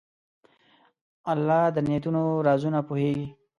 الله د نیتونو رازونه پوهېږي.